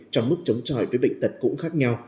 trong mức chống tròi với bệnh tật cũng khác nhau